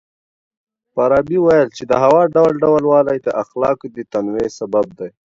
فارابي وويل چي د هوا ډول ډول والی د اخلاقو د تنوع سبب دی.